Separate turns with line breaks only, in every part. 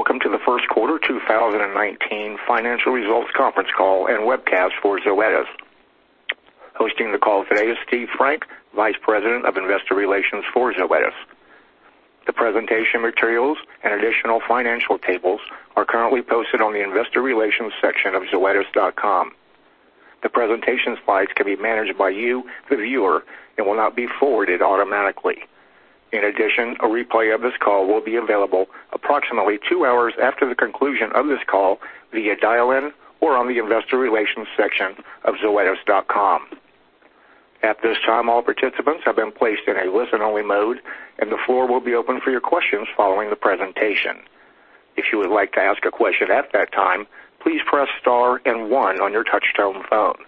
Welcome to the first quarter 2019 financial results conference call and webcast for Zoetis. Hosting the call today is Steve Frank, Vice President of Investor Relations for Zoetis. The presentation materials and additional financial tables are currently posted on the investor relations section of zoetis.com. The presentation slides can be managed by you, the viewer, and will not be forwarded automatically. In addition, a replay of this call will be available approximately two hours after the conclusion of this call via dial-in or on the investor relations section of zoetis.com. At this time, all participants have been placed in a listen-only mode, and the floor will be open for your questions following the presentation. If you would like to ask a question at that time, please press star and one on your touch-tone phone.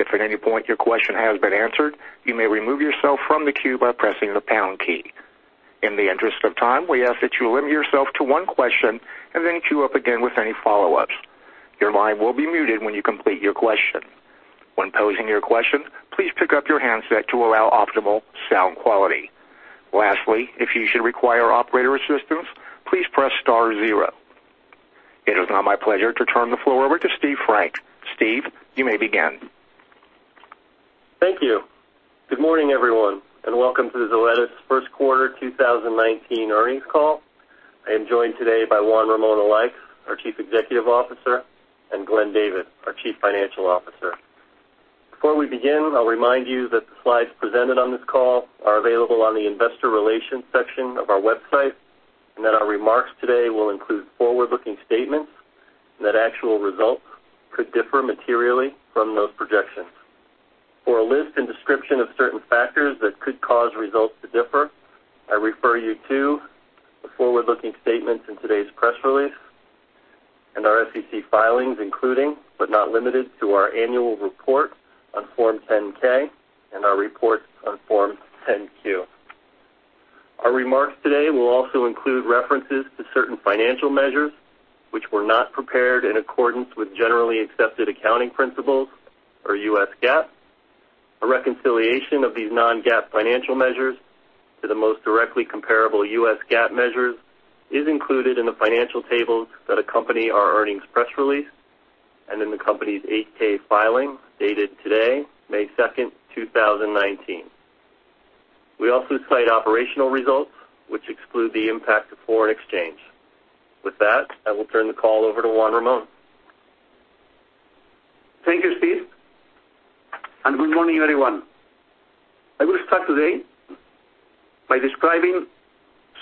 If at any point your question has been answered, you may remove yourself from the queue by pressing the pound key. In the interest of time, we ask that you limit yourself to one question and then queue up again with any follow-ups. Your line will be muted when you complete your question. When posing your question, please pick up your handset to allow optimal sound quality. Lastly, if you should require operator assistance, please press star zero. It is now my pleasure to turn the floor over to Steve Frank. Steve, you may begin.
Thank you. Good morning, everyone, and welcome to the Zoetis first quarter 2019 earnings call. I am joined today by Juan Ramón Alaix, our Chief Executive Officer, and Glenn David, our Chief Financial Officer. Before we begin, I will remind you that the slides presented on this call are available on the investor relations section of our website, and that our remarks today will include forward-looking statements, and that actual results could differ materially from those projections. For a list and description of certain factors that could cause results to differ, I refer you to the forward-looking statements in today's press release and our SEC filings, including, but not limited to our annual report on Form 10-K and our reports on Form 10-Q. Our remarks today will also include references to certain financial measures, which were not prepared in accordance with generally accepted accounting principles or U.S. GAAP. A reconciliation of these non-GAAP financial measures to the most directly comparable U.S. GAAP measures is included in the financial tables that accompany our earnings press release and in the company's 8-K filing dated today, May 2nd, 2019. We also cite operational results which exclude the impact of foreign exchange. With that, I will turn the call over to Juan Ramón.
Thank you, Steve, and good morning, everyone. I will start today by describing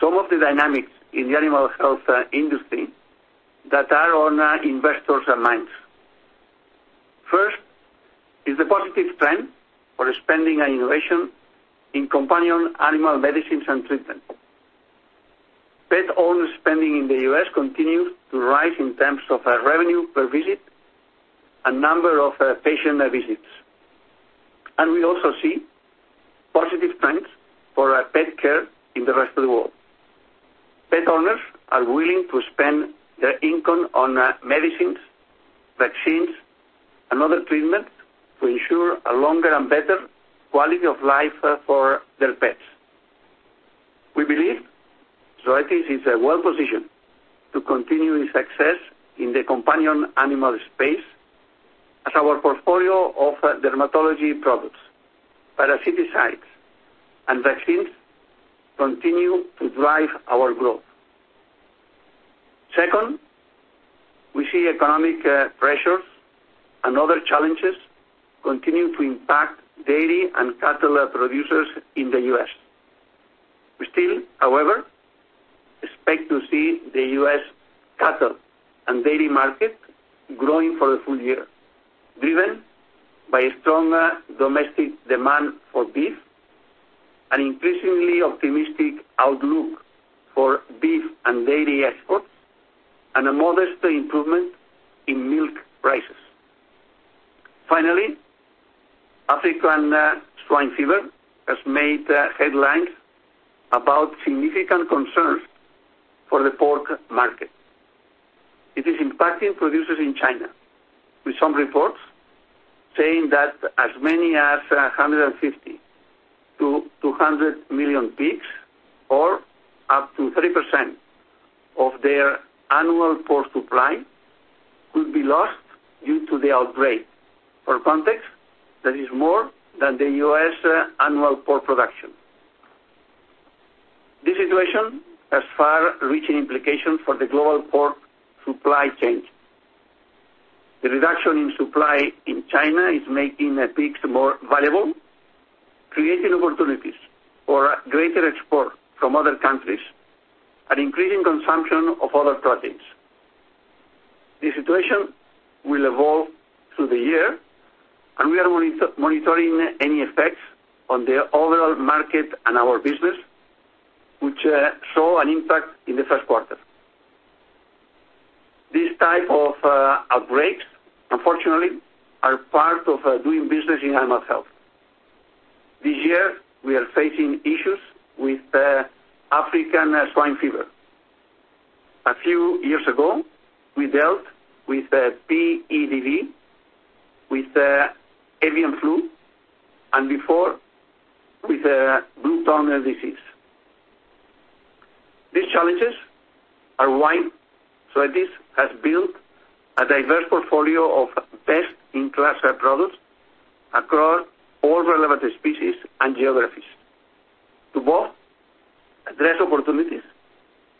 some of the dynamics in the animal health industry that are on investors' minds. First is the positive trend for spending on innovation in companion animal medicines and treatment. Pet owner spending in the U.S. continues to rise in terms of revenue per visit, and number of patient visits. We also see positive trends for pet care in the rest of the world. Pet owners are willing to spend their income on medicines, vaccines, and other treatments to ensure a longer and better quality of life for their pets. We believe Zoetis is well-positioned to continue its success in the companion animal space as our portfolio of dermatology products, parasiticides, and vaccines continue to drive our growth. Second, we see economic pressures and other challenges continuing to impact dairy and cattle producers in the U.S. We still, however, expect to see the U.S. cattle and dairy market growing for the full year, driven by stronger domestic demand for beef and increasingly optimistic outlook for beef and dairy exports, and a modest improvement in milk prices. Finally, African swine fever has made headlines about significant concerns for the pork market. It is impacting producers in China, with some reports saying that as many as 150-200 million pigs, or up to 30% of their annual pork supply, could be lost due to the outbreak. For context, that is more than the U.S. annual pork production. This situation has far-reaching implications for the global pork supply chain. The reduction in supply in China is making pigs more valuable, creating opportunities for greater export from other countries and increasing consumption of other proteins. The situation will evolve through the year. We are monitoring any effects on the overall market and our business, which saw an impact in the first quarter. These type of outbreaks, unfortunately, are part of doing business in animal health. This year, we are facing issues with African swine fever. A few years ago, we dealt with PEDV, Avian influenza, and before with bluetongue disease. These challenges are why Zoetis has built a diverse portfolio of best-in-class products across all relevant species and geographies to both address opportunities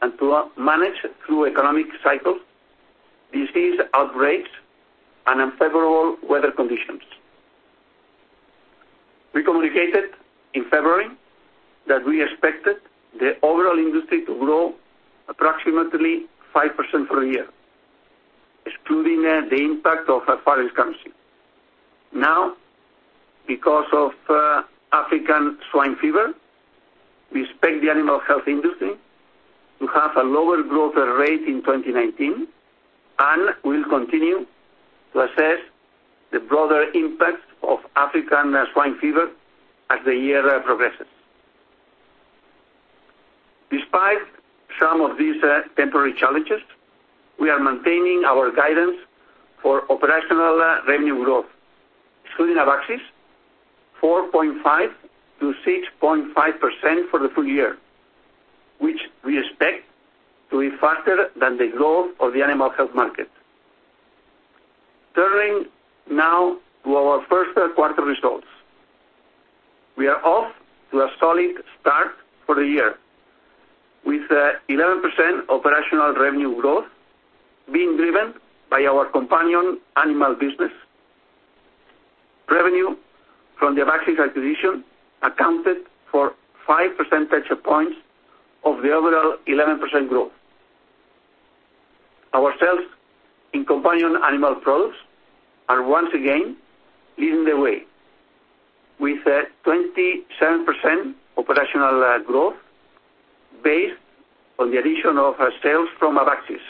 and to manage through economic cycles, disease outbreaks, and unfavorable weather conditions. We communicated in February that we expected the overall industry to grow approximately 5% per year, excluding the impact of ASF in-country. Because of African swine fever, we expect the animal health industry to have a lower growth rate in 2019 and will continue to assess the broader impact of African swine fever as the year progresses. Despite some of these temporary challenges, we are maintaining our guidance for operational revenue growth, excluding Abaxis, 4.5%-6.5% for the full year, which we expect to be faster than the growth of the animal health market. Turning now to our first quarter results. We are off to a solid start for the year, with 11% operational revenue growth being driven by our companion animal business. Revenue from the Abaxis acquisition accounted for five percentage points of the overall 11% growth. Our sales in companion animal products are once again leading the way. With 27% operational growth based on the addition of sales from Abaxis,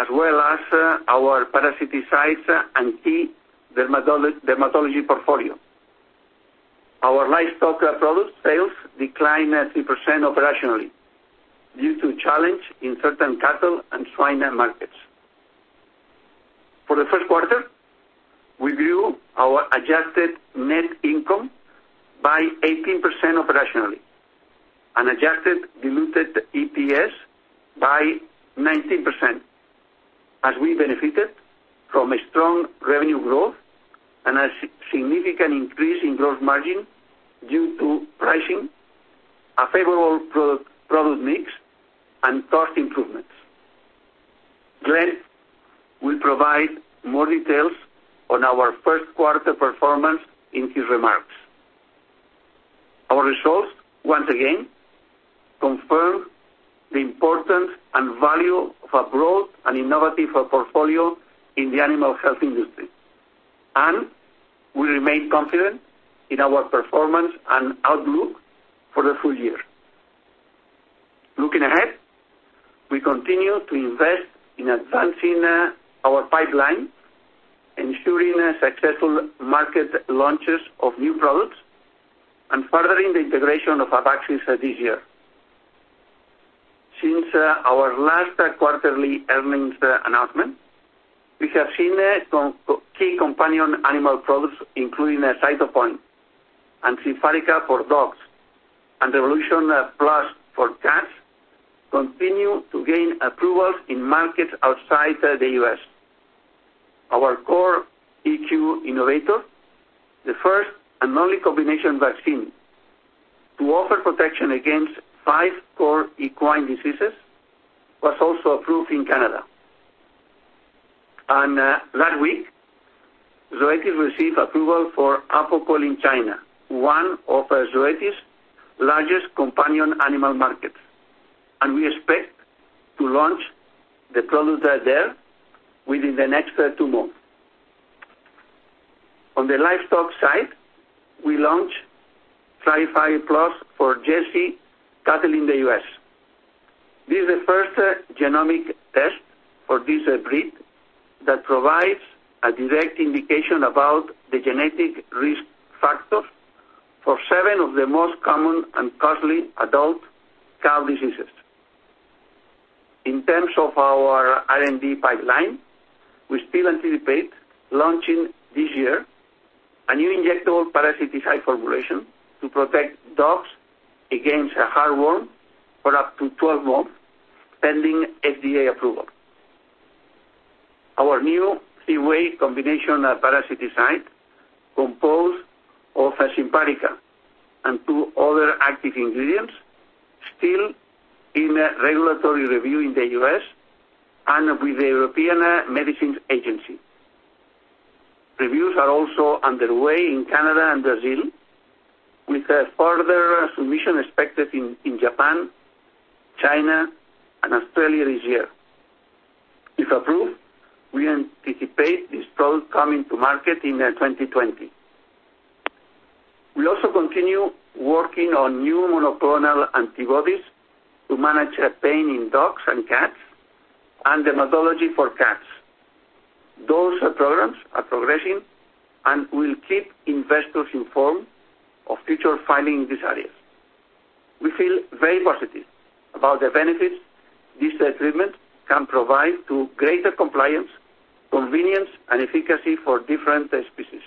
as well as our parasiticides and key dermatology portfolio. Our livestock product sales declined 3% operationally due to challenge in certain cattle and swine markets. For the first quarter, we grew our adjusted net income by 18% operationally and adjusted diluted EPS by 19% as we benefited from a strong revenue growth and a significant increase in gross margin due to pricing, a favorable product mix, and cost improvements. Glenn will provide more details on our first quarter performance in his remarks. Our results once again confirm the importance and value of a broad and innovative portfolio in the animal health industry, and we remain confident in our performance and outlook for the full year. Looking ahead, we continue to invest in advancing our pipeline, ensuring successful market launches of new products, and furthering the integration of Abaxis this year. Since our last quarterly earnings announcement, we have seen some key companion animal products, including Cytopoint and Simparica for dogs and Revolution Plus for cats, continue to gain approvals in markets outside the U.S. Our Core EQ Innovator, the first and only combination vaccine to offer protection against five core equine diseases, was also approved in Canada. On that week, Zoetis received approval for Apoquel in China, one of Zoetis' largest companion animal markets, and we expect to launch the product there within the next two months. On the livestock side, we launched TRI-5 Plus for jersey cattle in the U.S. This is the first genomic test for this breed that provides a direct indication about the genetic risk factors for seven of the most common and costly adult cow diseases. In terms of our R&D pipeline, we still anticipate launching this year a new injectable parasiticides formulation to protect dogs against heartworm for up to 12 months, pending FDA approval. Our new three-way combination of parasiticides, composed of Simparica and two other active ingredients, still in regulatory review in the U.S. and with the European Medicines Agency. Reviews are also underway in Canada and Brazil, with a further submission expected in Japan, China, and Australia this year. If approved, we anticipate this product coming to market in 2020. We also continue working on new monoclonal antibodies to manage pain in dogs and cats and dermatology for cats. Those programs are progressing, we'll keep investors informed of future filing in these areas. We feel very positive about the benefits this treatment can provide to greater compliance, convenience, and efficacy for different test species.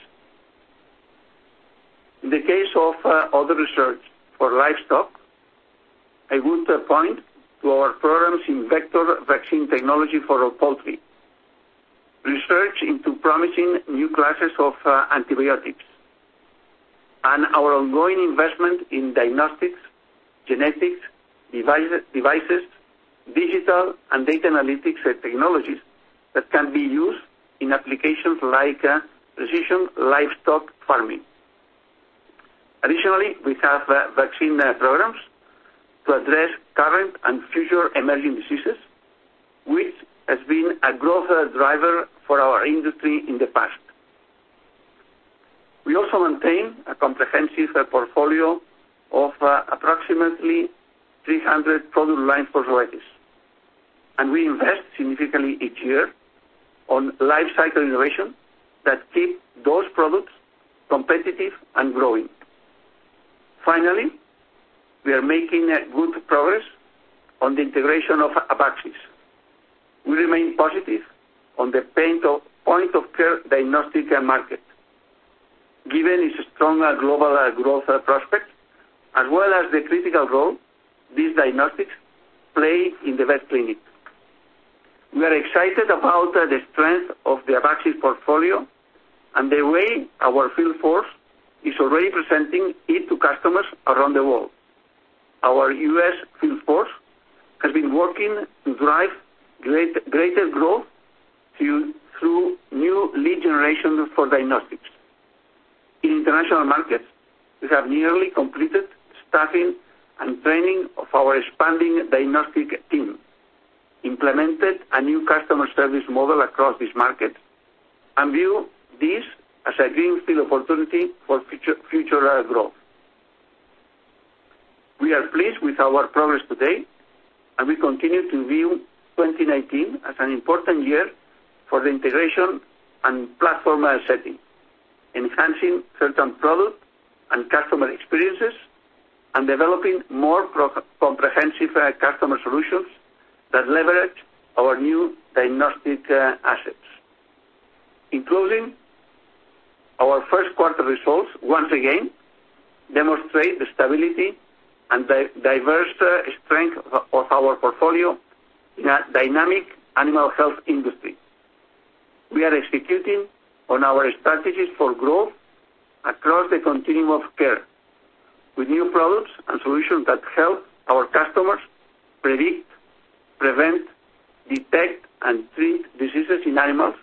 In the case of other research for livestock, I would point to our programs in vector vaccine technology for poultry, research into promising new classes of antibiotics, and our ongoing investment in diagnostics, genetics, devices, digital and data analytics technologies that can be used in applications like precision livestock farming. Additionally, we have vaccine programs to address current and future emerging diseases, which has been a growth driver for our industry in the past. We also maintain a comprehensive portfolio of approximately 300 product lines for Zoetis, we invest significantly each year on life cycle innovation that keep those products competitive and growing. Finally, we are making good progress on the integration of Abaxis. We remain positive on the point-of-care diagnostic market, given its strong global growth prospects as well as the critical role these diagnostics play in the vet clinic. We are excited about the strength of the Abaxis portfolio and the way our field force is already presenting it to customers around the world. Our U.S. field force has been working to drive greater growth through new lead generation for diagnostics. In international markets, we have nearly completed staffing and training of our expanding diagnostic team, implemented a new customer service model across these markets, and view this as a greenfield opportunity for future growth. We are pleased with our progress today, and we continue to view 2019 as an important year for the integration and platform setting, enhancing certain product and customer experiences, and developing more comprehensive customer solutions that leverage our new diagnostic assets. In closing, our first quarter results once again demonstrate the stability and diverse strength of our portfolio in a dynamic animal health industry. We are executing on our strategies for growth across the continuum of care with new products and solutions that help our customers predict, prevent, detect, and treat diseases in animals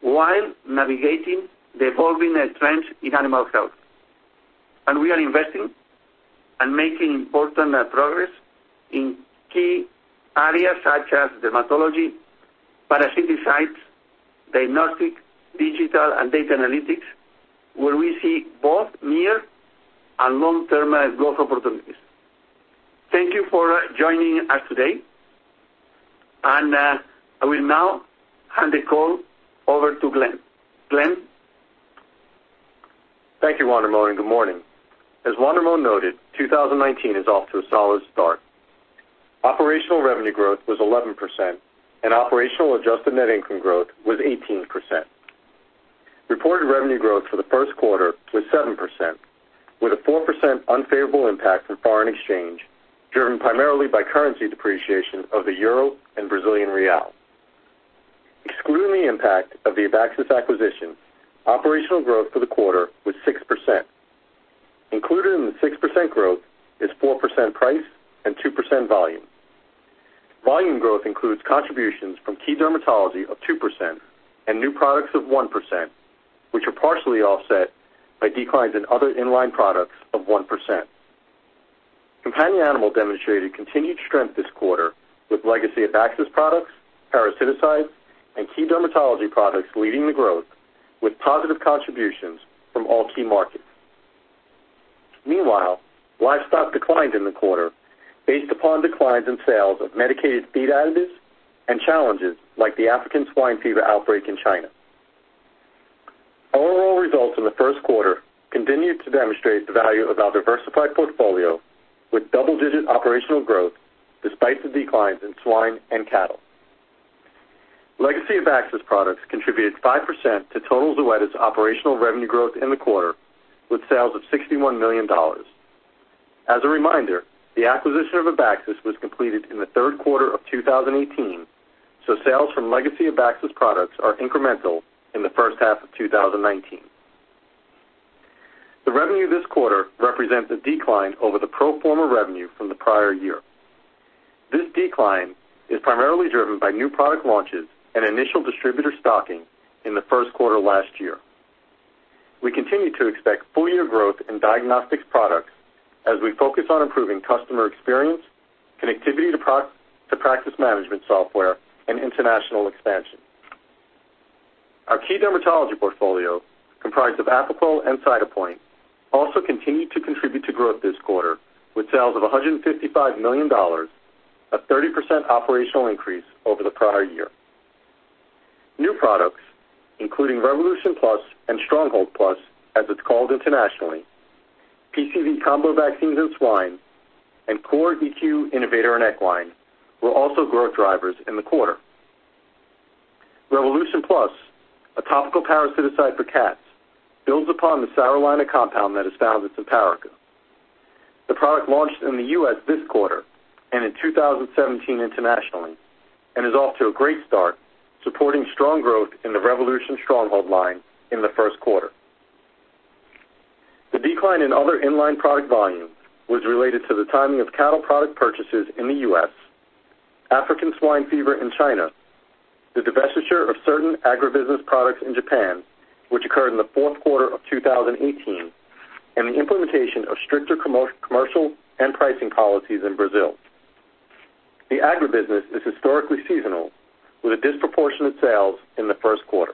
while navigating the evolving trends in animal health. We are investing and making important progress in key areas such as dermatology, parasiticides, diagnostics, digital and data analytics, where we see both near and long-term growth opportunities. Thank you for joining us today, and I will now hand the call over to Glenn. Glenn?
Thank you, Juan Ramón, and good morning. As Juan Ramón noted, 2019 is off to a solid start. Operational revenue growth was 11%, and operational adjusted net income growth was 18%. Reported revenue growth for the first quarter was 7%, with a 4% unfavorable impact from foreign exchange, driven primarily by currency depreciation of the EUR and BRL. Excluding the impact of the Abaxis acquisition, operational growth for the quarter was 6%. Included in the 6% growth is 4% price and 2% volume. Volume growth includes contributions from key dermatology of 2% and new products of 1%, which are partially offset by declines in other in-line products of 1%. Companion animal demonstrated continued strength this quarter with legacy Abaxis products, parasiticides, and key dermatology products leading the growth with positive contributions from all key markets. Meanwhile, livestock declined in the quarter based upon declines in sales of medicated feed additives and challenges like the African swine fever outbreak in China. Our overall results in the first quarter continued to demonstrate the value of our diversified portfolio with double-digit operational growth despite the declines in swine and cattle. Legacy Abaxis products contributed 5% to total Zoetis operational revenue growth in the quarter with sales of $61 million. As a reminder, the acquisition of Abaxis was completed in the third quarter of 2018, so sales from legacy Abaxis products are incremental in the first half of 2019. The revenue this quarter represents a decline over the pro forma revenue from the prior year. This decline is primarily driven by new product launches and initial distributor stocking in the first quarter last year. We continue to expect full-year growth in diagnostics products as we focus on improving customer experience, connectivity to practice management software, and international expansion. Our key dermatology portfolio, comprised of Apoquel and Cytopoint, also continued to contribute to growth this quarter with sales of $155 million, a 30% operational increase over the prior year. New products, including Revolution Plus and Stronghold Plus, as it's called internationally, PCV combo vaccines in swine, and Core EQ Innovator in equine were also growth drivers in the quarter. Revolution Plus, a topical parasiticide for cats, builds upon the sarolaner compound that is found in Simparica. The product launched in the U.S. this quarter and in 2017 internationally, and is off to a great start, supporting strong growth in the Revolution Stronghold line in the first quarter. The decline in other in-line product volume was related to the timing of cattle product purchases in the U.S., African swine fever in China, the divestiture of certain agribusiness products in Japan, which occurred in the fourth quarter of 2018, and the implementation of stricter commercial and pricing policies in Brazil. The agribusiness is historically seasonal, with a disproportionate sales in the first quarter.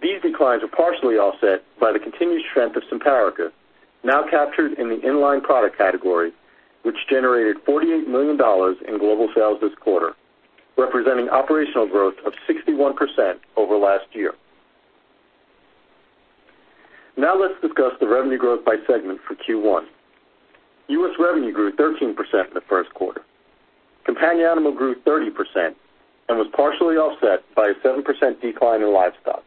These declines are partially offset by the continued strength of Simparica, now captured in the in-line product category, which generated $48 million in global sales this quarter, representing operational growth of 61% over last year. Let's discuss the revenue growth by segment for Q1. U.S. revenue grew 13% in the first quarter. Companion animal grew 30% and was partially offset by a 7% decline in livestock.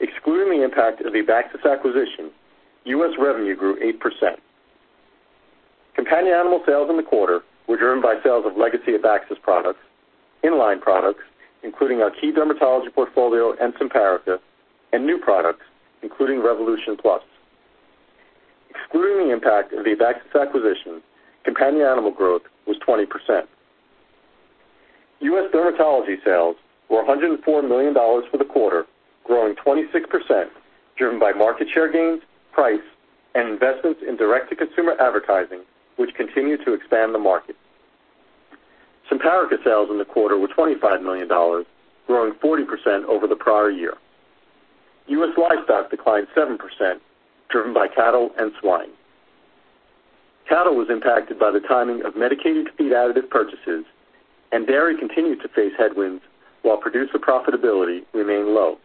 Excluding the impact of the Abaxis acquisition, U.S. revenue grew 8%. Companion animal sales in the quarter were driven by sales of legacy Abaxis products, in-line products, including our key dermatology portfolio and Simparica, and new products, including Revolution Plus. Excluding the impact of the Abaxis acquisition, companion animal growth was 20%. U.S. dermatology sales were $104 million for the quarter, growing 26%, driven by market share gains, price, and investments in direct-to-consumer advertising, which continue to expand the market. Simparica sales in the quarter were $25 million, growing 40% over the prior year. U.S. livestock declined 7%, driven by cattle and swine. Cattle was impacted by the timing of medicated feed additive purchases, and dairy continued to face headwinds while producer profitability remained low.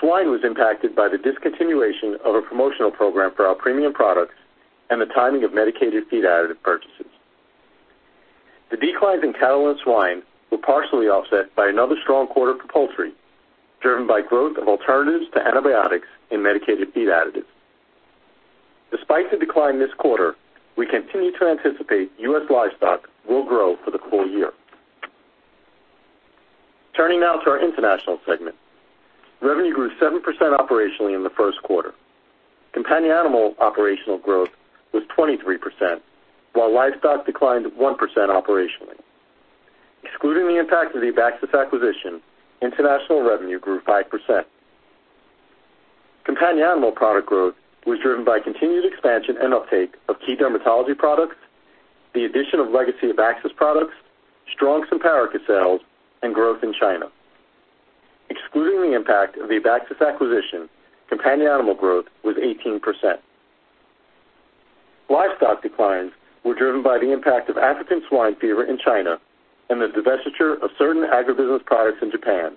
Swine was impacted by the discontinuation of a promotional program for our premium products and the timing of medicated feed additive purchases. The declines in cattle and swine were partially offset by another strong quarter for poultry, driven by growth of alternatives to antibiotics and medicated feed additives. Despite the decline this quarter, we continue to anticipate U.S. livestock will grow for the full year. Turning now to our international segment. Revenue grew 7% operationally in the first quarter. Companion animal operational growth was 23%, while livestock declined 1% operationally. Excluding the impact of the Abaxis acquisition, international revenue grew 5%. Companion animal product growth was driven by continued expansion and uptake of key dermatology products, the addition of legacy Abaxis products, strong Simparica sales, and growth in China. Excluding the impact of the Abaxis acquisition, companion animal growth was 18%. Livestock declines were driven by the impact of African swine fever in China and the divestiture of certain agribusiness products in Japan,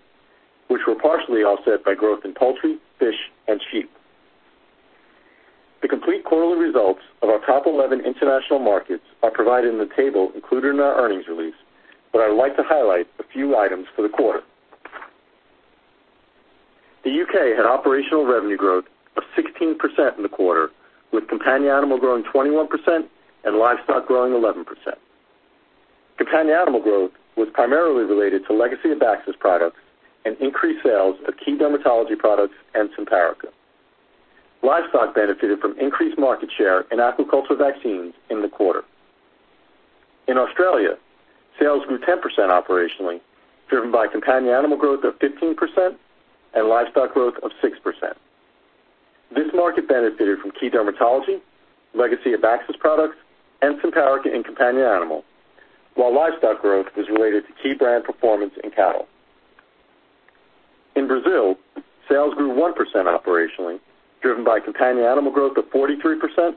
which were partially offset by growth in poultry, fish, and sheep. The complete quarterly results of our top 11 international markets are provided in the table included in our earnings release, but I'd like to highlight a few items for the quarter. The U.K. had operational revenue growth of 16% in the quarter, with companion animal growing 21% and livestock growing 11%. Companion animal growth was primarily related to legacy Abaxis products and increased sales of key dermatology products and Simparica. Livestock benefited from increased market share in aquaculture vaccines in the quarter. In Australia, sales grew 10% operationally, driven by companion animal growth of 15% and livestock growth of 6%. This market benefited from key dermatology, legacy Abaxis products, and Simparica in companion animal, while livestock growth was related to key brand performance in cattle. In Brazil, sales grew 1% operationally, driven by companion animal growth of 43%,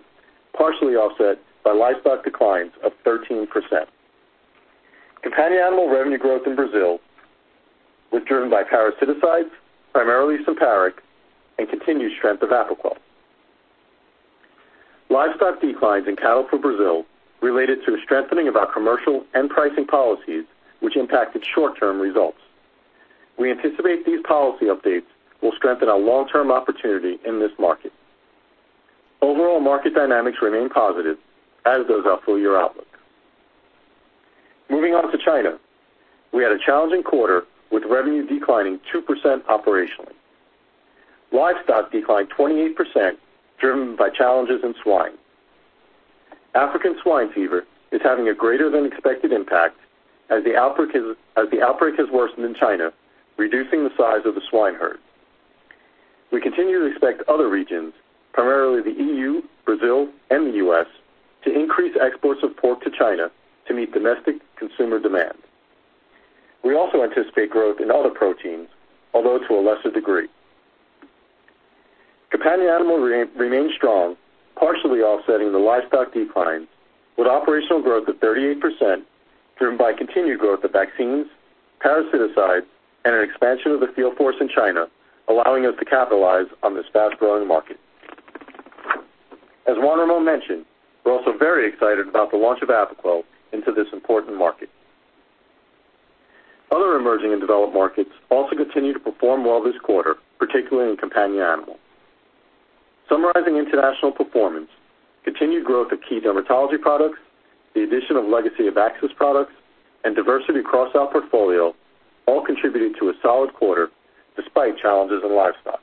partially offset by livestock declines of 13%. Companion animal revenue growth in Brazil was driven by parasiticides, primarily Simparica, and continued strength of Apoquel. Livestock declines in cattle for Brazil related to the strengthening of our commercial and pricing policies, which impacted short-term results. We anticipate these policy updates will strengthen our long-term opportunity in this market. Overall market dynamics remain positive, as does our full-year outlook. Moving on to China. We had a challenging quarter with revenue declining 2% operationally. Livestock declined 28%, driven by challenges in swine. African swine fever is having a greater than expected impact as the outbreak has worsened in China, reducing the size of the swine herd. We continue to expect other regions, primarily the EU, Brazil, and the U.S., to increase exports of pork to China to meet domestic consumer demand. We also anticipate growth in other proteins, although to a lesser degree. Companion animal remained strong, partially offsetting the livestock decline with operational growth of 38% driven by continued growth of vaccines, parasiticides, and an expansion of the field force in China, allowing us to capitalize on this fast-growing market. As Juan Ramón mentioned, we're also very excited about the launch of Apoquel into this important market. Other emerging and developed markets also continued to perform well this quarter, particularly in companion animal. Summarizing international performance, continued growth of key dermatology products, the addition of legacy Abaxis products, and diversity across our portfolio all contributed to a solid quarter despite challenges in livestock.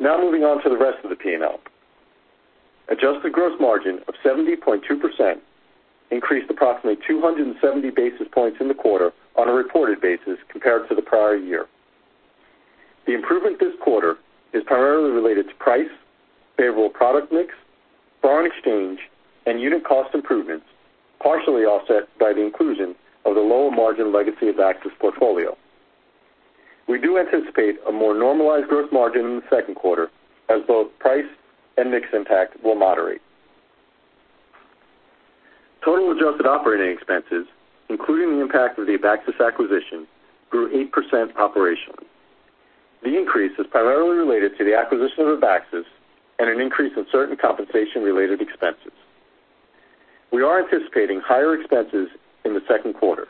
Now moving on to the rest of the P&L. Adjusted gross margin of 70.2% increased approximately 270 basis points in the quarter on a reported basis compared to the prior year. The improvement this quarter is primarily related to price, favorable product mix, foreign exchange, and unit cost improvements, partially offset by the inclusion of the lower margin legacy Abaxis portfolio. We do anticipate a more normalized growth margin in the second quarter as both price and mix impact will moderate. Total adjusted operating expenses, including the impact of the Abaxis acquisition, grew 8% operationally. The increase is primarily related to the acquisition of Abaxis and an increase in certain compensation-related expenses. We are anticipating higher expenses in the second quarter,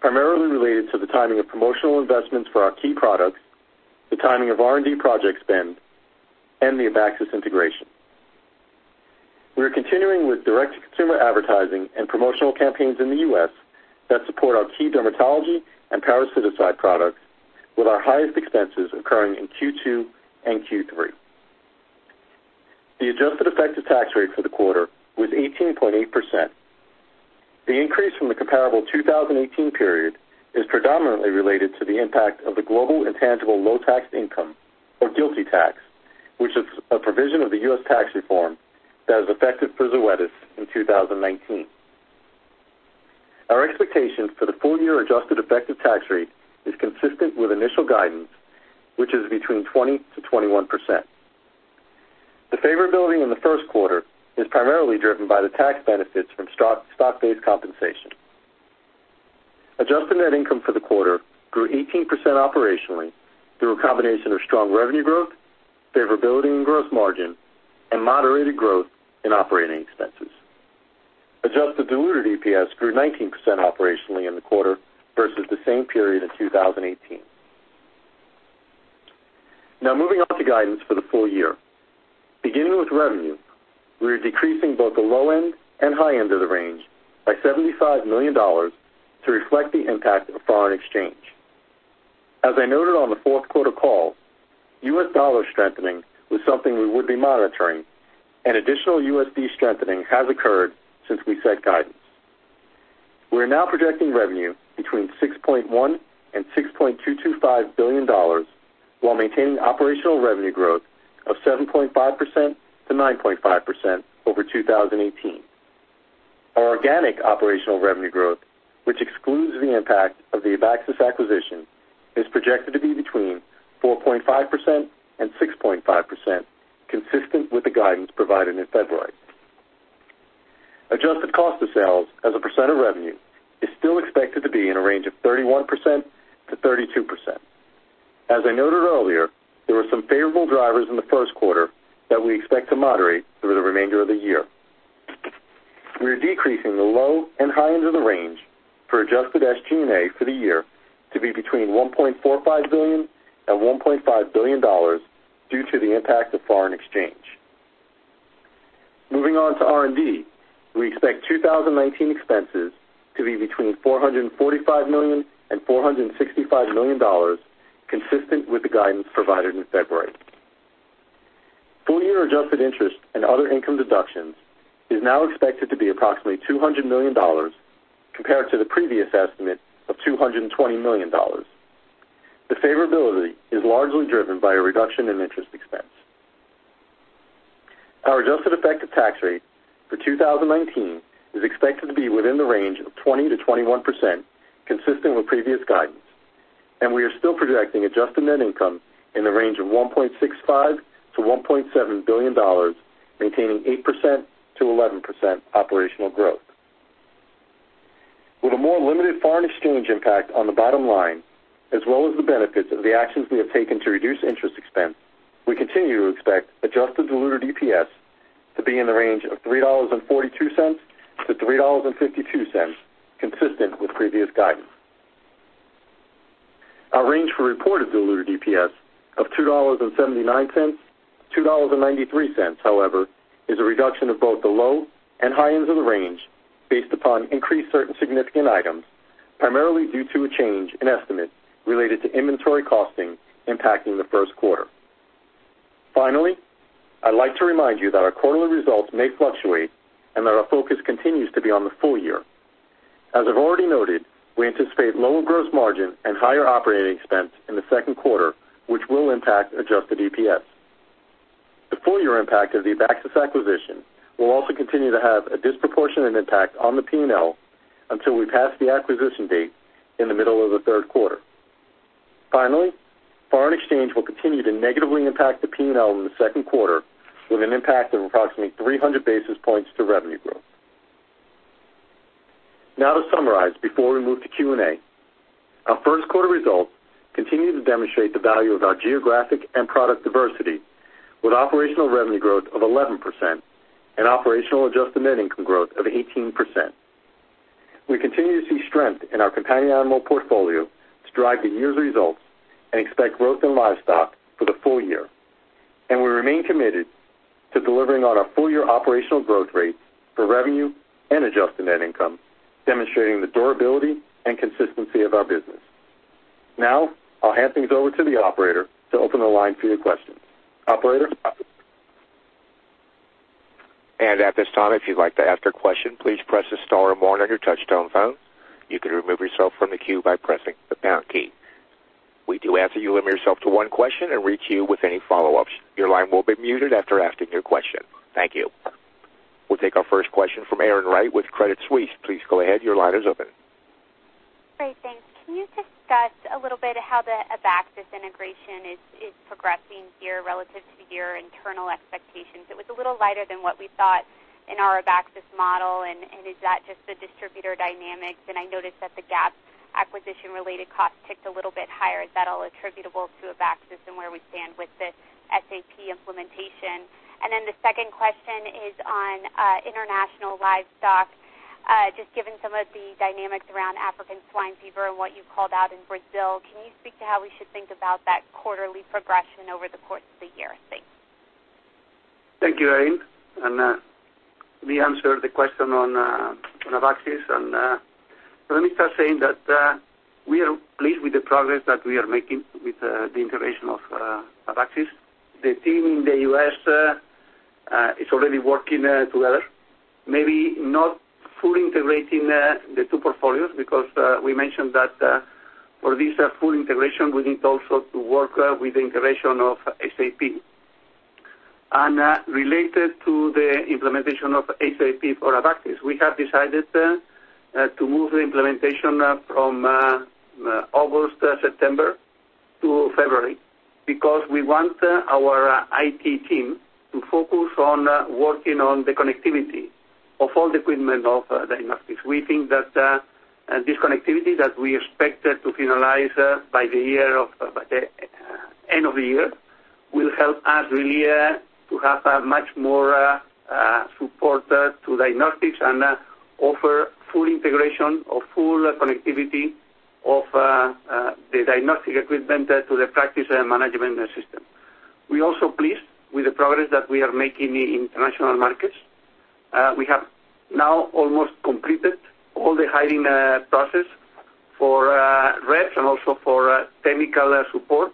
primarily related to the timing of promotional investments for our key products, the timing of R&D project spend, and the Abaxis integration. We are continuing with direct-to-consumer advertising and promotional campaigns in the U.S. that support our key dermatology and parasiticide products with our highest expenses occurring in Q2 and Q3. The adjusted effective tax rate for the quarter was 18.8%. The increase from the comparable 2018 period is predominantly related to the impact of the Global Intangible Low-Taxed Income, or GILTI tax, which is a provision of the U.S. tax reform that is effective for Zoetis in 2019. Our expectations for the full-year adjusted effective tax rate is consistent with initial guidance, which is between 20%-21%. The favorability in the first quarter is primarily driven by the tax benefits from stock-based compensation. Adjusted net income for the quarter grew 18% operationally through a combination of strong revenue growth, favorability in gross margin, and moderated growth in operating expenses. Adjusted diluted EPS grew 19% operationally in the quarter versus the same period in 2018. Moving on to guidance for the full-year. Beginning with revenue, we are decreasing both the low end and high end of the range by $75 million to reflect the impact of foreign exchange. As I noted on the fourth quarter call, U.S. dollar strengthening was something we would be monitoring, and additional USD strengthening has occurred since we set guidance. We are now projecting revenue between $6.1 billion and $6.225 billion while maintaining operational revenue growth of 7.5%-9.5% over 2018. Our organic operational revenue growth, which excludes the impact of the Abaxis acquisition, is projected to be between 4.5% and 6.5%, consistent with the guidance provided in February. Adjusted cost of sales as a percent of revenue is still expected to be in a range of 31%-32%. As I noted earlier, there were some favorable drivers in the first quarter that we expect to moderate through the remainder of the year. We are decreasing the low and high end of the range for adjusted SG&A for the year to be between $1.45 billion and $1.5 billion due to the impact of foreign exchange. R&D. We expect 2019 expenses to be between $445 million and $465 million, consistent with the guidance provided in February. Full-year adjusted interest and other income deductions is now expected to be approximately $200 million compared to the previous estimate of $220 million. The favorability is largely driven by a reduction in interest expense. Our adjusted effective tax rate for 2019 is expected to be within the range of 20%-21%, consistent with previous guidance. We are still projecting adjusted net income in the range of $1.65 billion-$1.7 billion, maintaining 8%-11% operational growth. With a more limited foreign exchange impact on the bottom line, as well as the benefits of the actions we have taken to reduce interest expense, we continue to expect adjusted diluted EPS to be in the range of $3.42-$3.52, consistent with previous guidance. Our range for reported diluted EPS of $2.79-$2.93, however, is a reduction of both the low and high ends of the range based upon increased certain significant items, primarily due to a change in estimate related to inventory costing impacting the first quarter. I'd like to remind you that our quarterly results may fluctuate and that our focus continues to be on the full year. As I've already noted, I anticipate lower gross margin and higher operating expense in the second quarter, which will impact adjusted EPS. The full-year impact of the Abaxis acquisition will also continue to have a disproportionate impact on the P&L until we pass the acquisition date in the middle of the third quarter. Foreign exchange will continue to negatively impact the P&L in the second quarter with an impact of approximately 300 basis points to revenue growth. To summarize before we move to Q&A. Our first quarter results continue to demonstrate the value of our geographic and product diversity with operational revenue growth of 11% and operational adjusted net income growth of 18%. We continue to see strength in our companion animal portfolio to drive the year's results and expect growth in livestock for the full year. We remain committed to delivering on our full-year operational growth rates for revenue and adjusted net income, demonstrating the durability and consistency of our business. I'll hand things over to the operator to open the line for your questions. Operator?
At this time, if you'd like to ask a question, please press star one on your touch-tone phone. You can remove yourself from the queue by pressing the pound key. We do ask that you limit yourself to one question and re-queue with any follow-ups. Your line will be muted after asking your question. Thank you. We'll take our first question from Erin Wright with Credit Suisse. Please go ahead. Your line is open.
Great. Thanks. Can you discuss a little bit how the Abaxis integration is progressing here relative to your internal expectations? It was a little lighter than what we thought in our Abaxis model. Is that just the distributor dynamics? I noticed that the GAAP acquisition-related cost ticked a little bit higher. Is that all attributable to Abaxis and where we stand with the SAP implementation? The second question is on international livestock. Just given some of the dynamics around African swine fever and what you've called out in Brazil, can you speak to how we should think about that quarterly progression over the course of the year? Thanks.
Thank you, Erin. Let me answer the question on Abaxis. Let me start saying that we are pleased with the progress that we are making with the integration of Abaxis. The team in the U.S. is already working together, maybe not fully integrating the two portfolios because we mentioned that for this full integration, we need also to work with the integration of SAP. Related to the implementation of SAP for Abaxis, we have decided to move the implementation from August, September to February because we want our IT team to focus on working on the connectivity of all the equipment of diagnostics. We think that this connectivity that we expect to finalize by the end of the year will help us really to have a much more support to diagnostics and offer full integration or full connectivity of the diagnostic equipment to the practice and management system. We're also pleased with the progress that we are making in international markets. We have now almost completed all the hiring process for reps and also for technical support.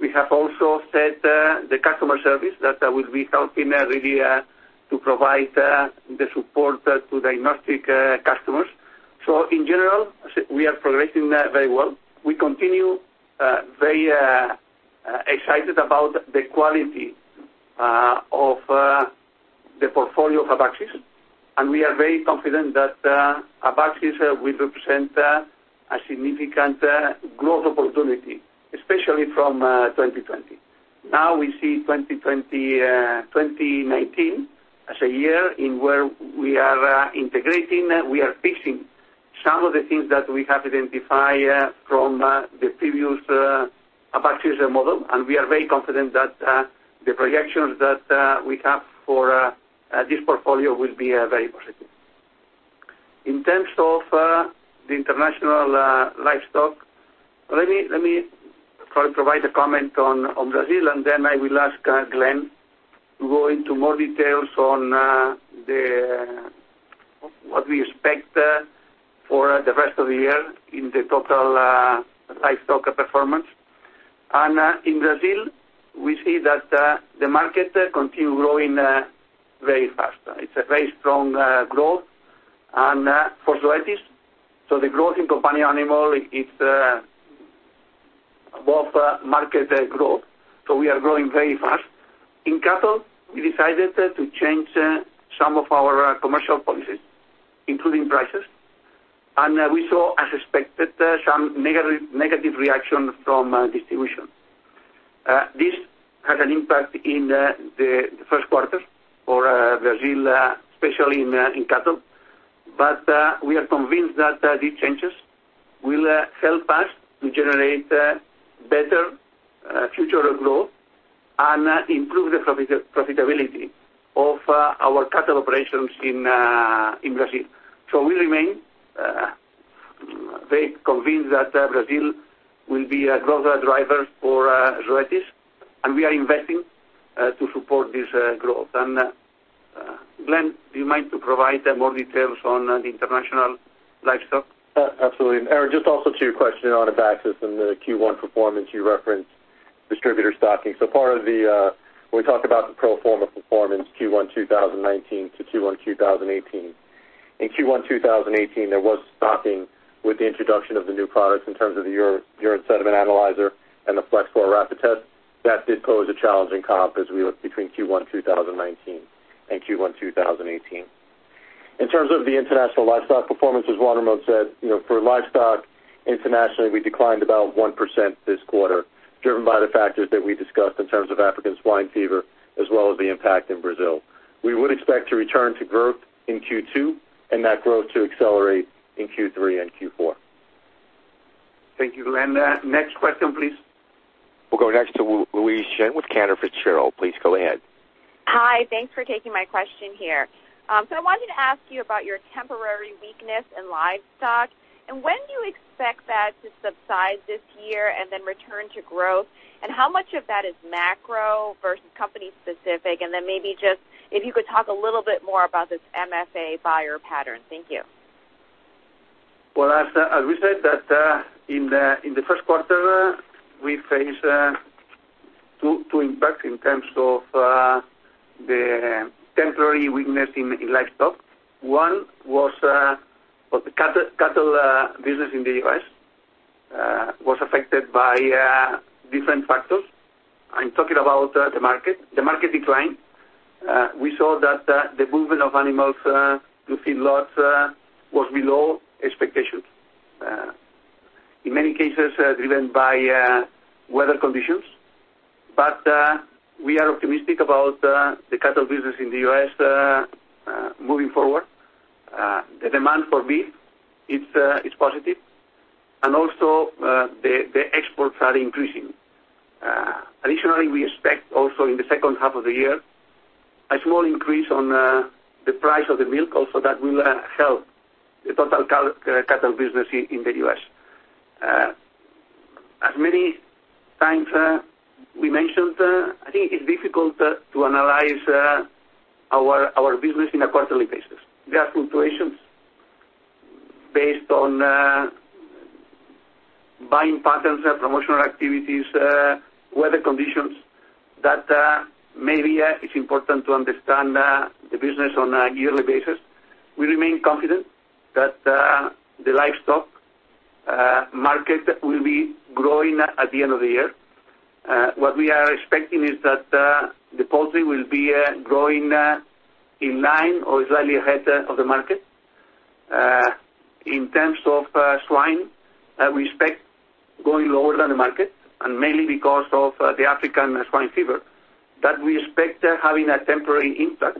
We have also set the customer service that will be helping really to provide the support to diagnostic customers. In general, we are progressing very well. We continue very excited about the quality of the portfolio of Abaxis, and we are very confident that Abaxis will represent a significant growth opportunity, especially from 2020. Now we see 2019 as a year in where we are integrating, we are fixing some of the things that we have identified from the previous Abaxis model, and we are very confident that the projections that we have for this portfolio will be very positive. In terms of the international livestock, let me provide a comment on Brazil, and then I will ask Glenn to go into more details on what we expect for the rest of the year in the total livestock performance. In Brazil, we see that the market continue growing very fast. It's a very strong growth for Zoetis. The growth in companion animal is above market growth. We are growing very fast. In cattle, we decided to change some of our commercial policies, including prices. We saw, as expected, some negative reaction from distribution. This had an impact in the first quarter for Brazil, especially in cattle. We are convinced that these changes will help us to generate better future growth and improve the profitability of our cattle operations in Brazil. We remain very convinced that Brazil will be a growth driver for Zoetis, and we are investing to support this growth. Glenn, do you mind to provide more details on the international livestock?
Absolutely. Erin, just also to your question on Abaxis and the Q1 performance, you referenced distributor stocking. Part of when we talk about the pro forma performance Q1 2019 to Q1 2018. In Q1 2018, there was stocking with the introduction of the new products in terms of the VETSCAN SA Sediment Analyzer and the VETSCAN Flex4 Rapid Test. That did pose a challenging comp as we look between Q1 2019 and Q1 2018. In terms of the international livestock performance, as Juan Ramón said, for livestock internationally, we declined about 1% this quarter, driven by the factors that we discussed in terms of African swine fever as well as the impact in Brazil. We would expect to return to growth in Q2 and that growth to accelerate in Q3 and Q4.
Thank you, Glenn. Next question, please.
We'll go next to Louise Chen with Cantor Fitzgerald. Please go ahead.
Hi. Thanks for taking my question here. I wanted to ask you about your temporary weakness in livestock, when do you expect that to subside this year and then return to growth? How much of that is macro versus company-specific? Maybe just if you could talk a little bit more about this MFA buyer pattern. Thank you.
As we said that in the first quarter, we faced two impacts in terms of the temporary weakness in livestock. One was the cattle business in the U.S. was affected by different factors. I'm talking about the market. The market declined. We saw that the movement of animals to feedlots was below expectations. In many cases, driven by weather conditions. We are optimistic about the cattle business in the U.S. moving forward. The demand for beef is positive, the exports are increasing. Additionally, we expect also in the second half of the year, a small increase on the price of the milk. Also, that will help the total cattle business in the U.S. As many times we mentioned, I think it's difficult to analyze our business on a quarterly basis. There are fluctuations based on buying patterns, promotional activities, weather conditions that maybe it's important to understand the business on a yearly basis. We remain confident that the livestock market will be growing at the end of the year. What we are expecting is that the poultry will be growing in line or slightly ahead of the market. In terms of swine, we expect going lower than the market, mainly because of the African swine fever. That we expect having a temporary impact,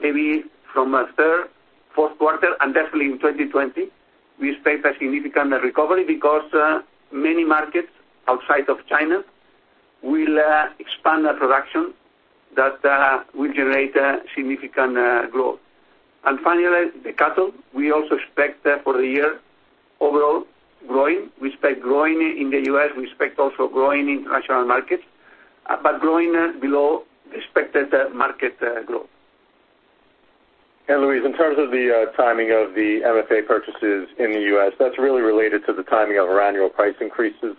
maybe from third, fourth quarter, and definitely in 2020, we expect a significant recovery because many markets outside of China will expand the production. That will generate significant growth. The cattle, we also expect for the year overall growing. We expect growing in the U.S. We expect also growing in international markets, growing below expected market growth.
Louise, in terms of the timing of the MFA purchases in the U.S., that's really related to the timing of our annual price increases.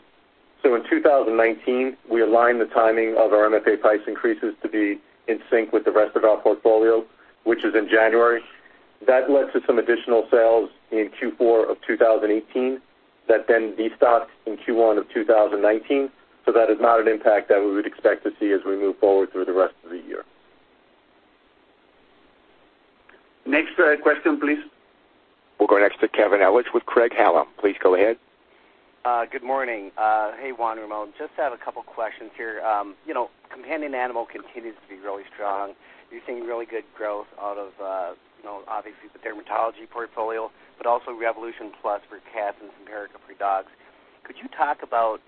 In 2019, we aligned the timing of our MFA price increases to be in sync with the rest of our portfolio, which is in January. That led to some additional sales in Q4 of 2018 that then destocked in Q1 of 2019. That is not an impact that we would expect to see as we move forward through the rest of the year.
Next question, please.
We'll go next to Kevin Ellich with Craig-Hallum. Please go ahead.
Good morning. Hey, Juan Ramón. Just have a couple questions here. Companion animal continues to be really strong. You're seeing really good growth out of obviously the dermatology portfolio, but also Revolution Plus for cats and Simparica for dogs. Could you talk about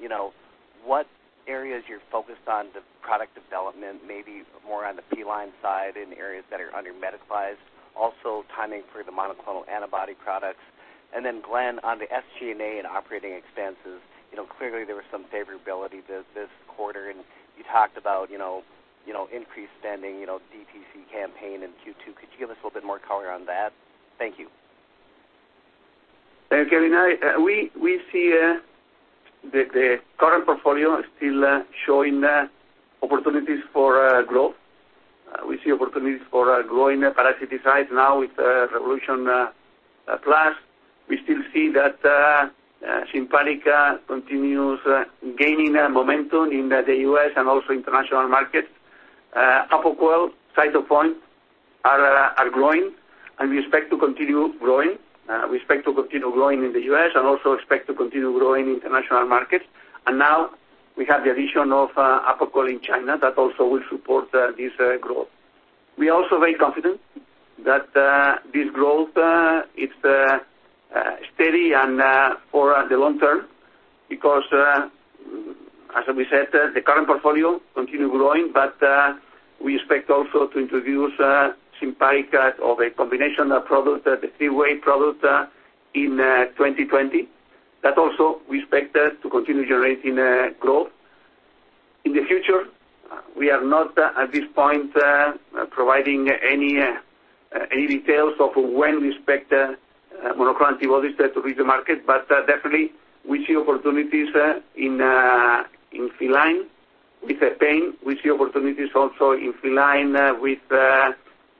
what areas you're focused on the product development, maybe more on the feline side in areas that are under-medicalized, also timing for the monoclonal antibody products? Glenn, on the SG&A and operating expenses, clearly there was some favorability this quarter, and you talked about increased spending, DTC campaign in Q2. Could you give us a little bit more color on that? Thank you.
Thank you, Kevin. We see the current portfolio still showing opportunities for growth. We see opportunities for growing the parasiticides now with Revolution Plus. We still see that Simparica continues gaining momentum in the U.S. and also international markets. Apoquel, Cytopoint are growing, and we expect to continue growing. We expect to continue growing in the U.S. and also expect to continue growing in international markets. Now we have the addition of Apoquel in China. That also will support this growth. We are also very confident that this growth is steady and for the long term because as we said, the current portfolio continue growing, but we expect also to introduce Simparica or a combination product, the three-way product in 2020. That also we expect to continue generating growth. In the future, we are not at this point providing any details of when we expect monoclonal antibodies to reach the market, but definitely we see opportunities in feline with the pain, we see opportunities also in feline with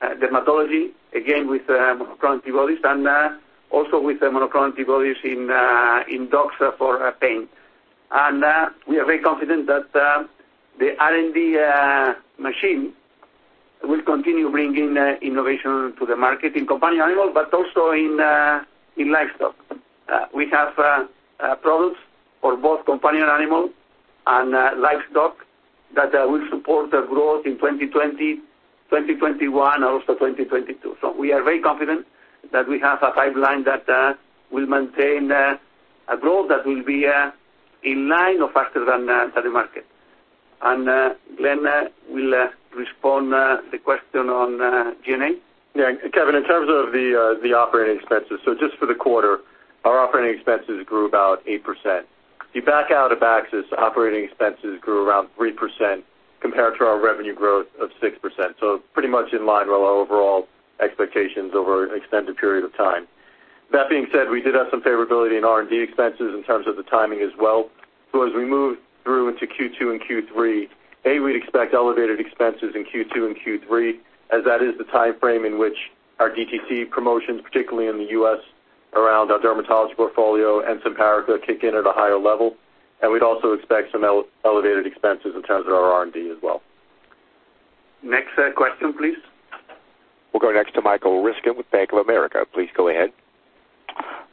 dermatology, again, with monoclonal antibodies and also with monoclonal antibodies in dogs for pain. We are very confident that the R&D machine will continue bringing innovation to the market in companion animal, but also in livestock. We have products for both companion animal and livestock that will support the growth in 2020, 2021, and also 2022. We are very confident that we have a pipeline that will maintain a growth that will be in line or faster than the market. Glenn will respond the question on G&A.
Kevin, in terms of the operating expenses. Just for the quarter, our operating expenses grew about 8%. If you back out Abaxis, operating expenses grew around 3% compared to our revenue growth of 6%. Pretty much in line with our overall expectations over an extended period of time. That being said, we did have some favorability in R&D expenses in terms of the timing as well. As we move through into Q2 and Q3, we'd expect elevated expenses in Q2 and Q3 as that is the time frame in which our DTC promotions, particularly in the U.S. around our dermatology portfolio and Simparica, kick in at a higher level. We'd also expect some elevated expenses in terms of our R&D as well.
Next question, please.
We'll go next to Michael Ryskin with Bank of America. Please go ahead.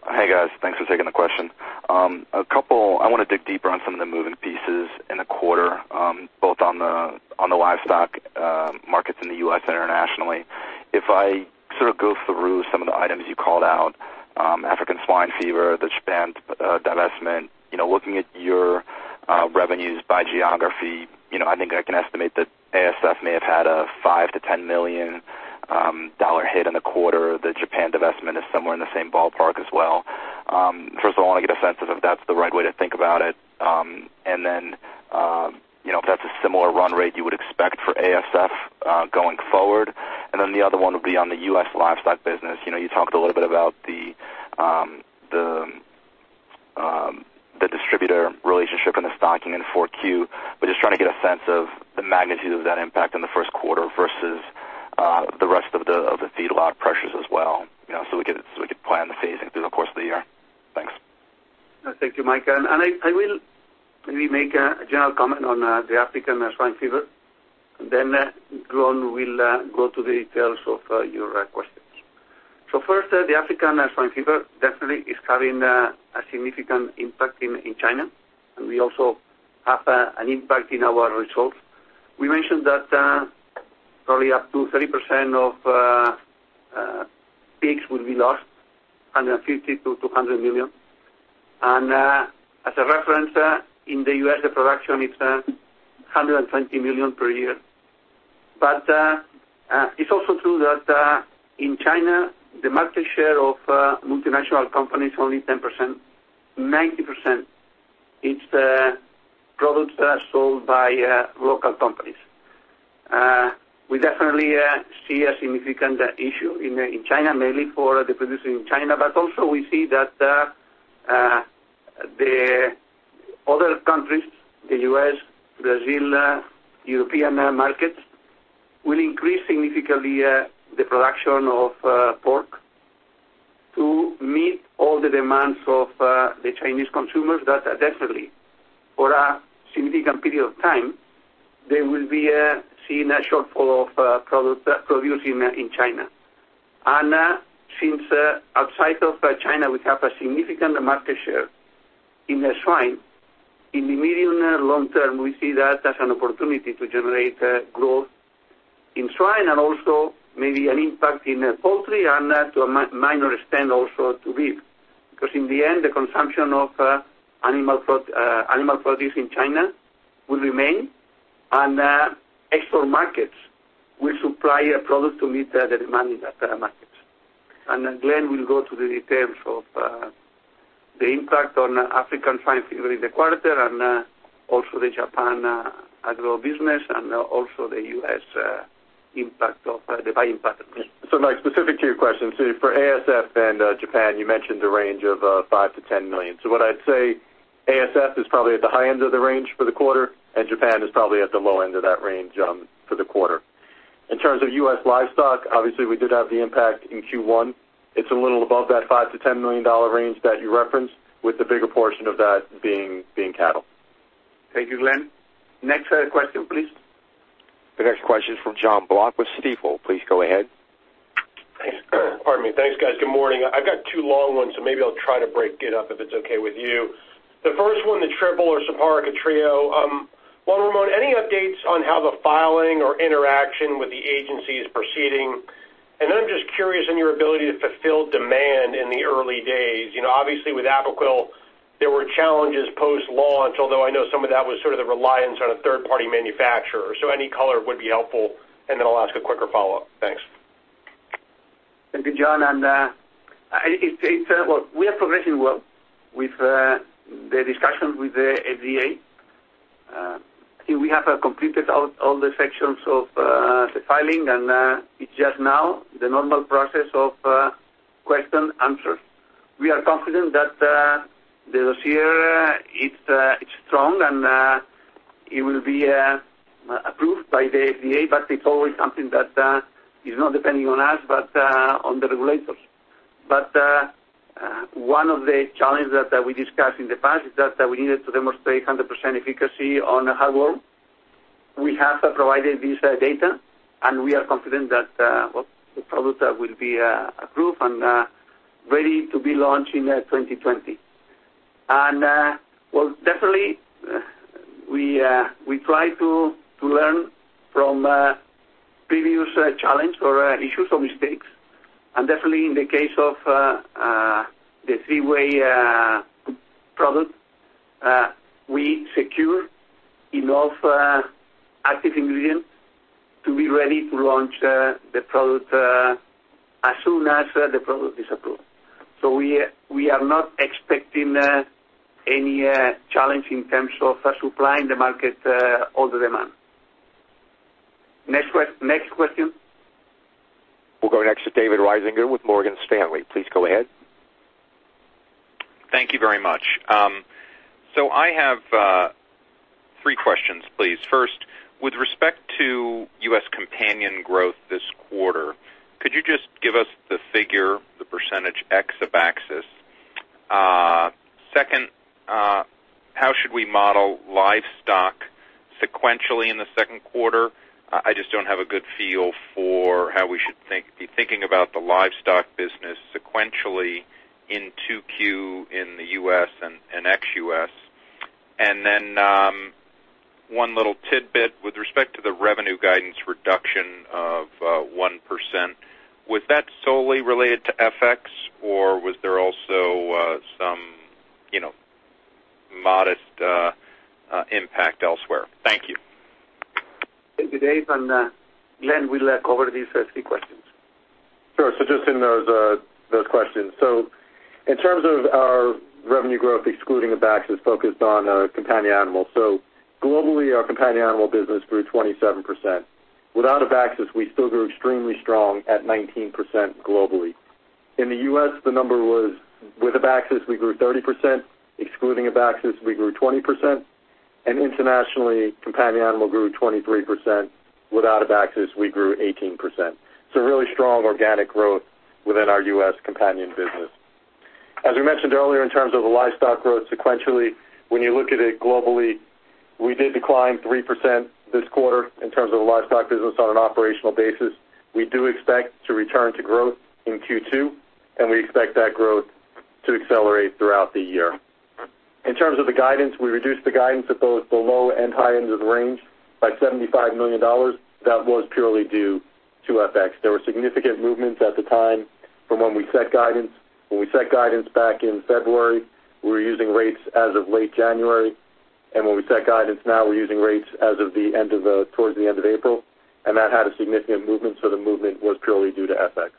Hey, guys. Thanks for taking the question. I want to dig deeper on some of the moving pieces in the quarter, both on the livestock markets in the U.S. and internationally. If I sort of go through some of the items you called out, African swine fever, the Japan divestment. Looking at your revenues by geography, I think I can estimate that ASF may have had a $5 million-$10 million hit in the quarter. The Japan divestment is somewhere in the same ballpark as well. First of all, I want to get a sense of if that's the right way to think about it, then if that's a similar run rate you would expect for ASF going forward. The other one would be on the U.S. livestock business. You talked a little bit about the distributor relationship and the stocking in 4Q, just trying to get a sense of the magnitude of that impact in the first quarter versus the rest of the feedlot pressures as well, so we could plan the phasing through the course of the year. Thanks.
Thank you, Mike. I will maybe make a general comment on the African swine fever, then Glenn will go to the details of your questions. First, the African swine fever definitely is having a significant impact in China, we also have an impact in our results. We mentioned that probably up to 30% of pigs will be lost, 150 million-200 million. As a reference, in the U.S., the production is 120 million per year. It's also true that in China, the market share of multinational companies is only 10%. 90%, it's the products that are sold by local companies. We definitely see a significant issue in China, mainly for the producer in China, but also we see that the other countries, the U.S., Brazil, European markets, will increase significantly the production of pork to meet all the demands of the Chinese consumers. That definitely, for a significant period of time, there will be seen a shortfall of products produced in China. Since outside of China, we have a significant market share in swine. In the medium and long term, we see that as an opportunity to generate growth in swine and also maybe an impact in poultry and to a minor extent also to beef. Because in the end, the consumption of animal produce in China will remain, and export markets will supply a product to meet the demand in that market. Glenn will go to the details of the impact on African swine fever in the quarter and also the Japan agro business and also the U.S. impact of the buying patterns.
Mike, specific to your question. For ASF and Japan, you mentioned the range of $5 million-$10 million. What I'd say, ASF is probably at the high end of the range for the quarter, and Japan is probably at the low end of that range for the quarter. In terms of U.S. livestock, obviously we did have the impact in Q1. It's a little above that $5 million-$10 million range that you referenced, with the bigger portion of that being cattle.
Thank you, Glenn. Next question, please.
The next question is from Jon Block with Stifel. Please go ahead.
Pardon me. Thanks, guys. Good morning. I've got two long ones, maybe I'll try to break it up if it's okay with you. The first one, the triple or Simparica Trio. One, Ramón, any updates on how the filing or interaction with the agency is proceeding? Then I'm just curious on your ability to fulfill demand in the early days. Obviously, with Apoquel, there were challenges post-launch, although I know some of that was sort of the reliance on a third-party manufacturer. Any color would be helpful, then I'll ask a quicker follow-up. Thanks.
Thank you, Jon. We are progressing well with the discussions with the FDA. I think we have completed all the sections of the filing, and it's just now the normal process of question, answer. We are confident that the dossier is strong and it will be approved by the FDA, but it's always something that is not depending on us, but on the regulators. One of the challenges that we discussed in the past is that we needed to demonstrate 100% efficacy on heartworm. We have provided this data, and we are confident that the product will be approved and ready to be launched in 2020. Well, definitely, we try to learn from previous challenge or issues or mistakes. Definitely in the case of the three-way product, we secure enough active ingredients to be ready to launch the product as soon as the product is approved. We are not expecting any challenge in terms of supplying the market all the demand. Next question.
We'll go next to David Risinger with Morgan Stanley. Please go ahead.
Thank you very much. I have three questions, please. First, with respect to U.S. companion growth this quarter, could you just give us the figure, the percentage ex Abaxis? Second, how should we model livestock sequentially in the second quarter? I just don't have a good feel for how we should be thinking about the livestock business sequentially in 2Q in the U.S. and ex-U.S. Then, one little tidbit. With respect to the revenue guidance reduction of 1%, was that solely related to FX or was there also some modest impact elsewhere? Thank you.
Thank you, David and Glenn will cover these three questions.
Sure. Just in those questions. In terms of our revenue growth, excluding Abaxis, focused on companion animals. Globally, our companion animal business grew 27%. Without Abaxis, we still grew extremely strong at 19% globally. In the U.S., the number was, with Abaxis, we grew 30%, excluding Abaxis, we grew 20%, and internationally, companion animal grew 23%, without Abaxis, we grew 18%. Really strong organic growth within our U.S. companion business. As we mentioned earlier, in terms of the livestock growth sequentially, when you look at it globally, we did decline 3% this quarter in terms of the livestock business on an operational basis. We do expect to return to growth in Q2, we expect that growth to accelerate throughout the year. In terms of the guidance, we reduced the guidance at both the low and high ends of the range by $75 million. That was purely due to FX. There were significant movements at the time from when we set guidance. When we set guidance back in February, we were using rates as of late January, we set guidance now we're using rates as of towards the end of April, that had a significant movement, the movement was purely due to FX.